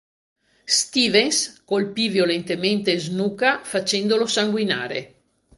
Stevens colpì violentemente Snuka facendolo sanguinare.